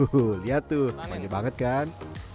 huuuh lihat tuh panjang banget kan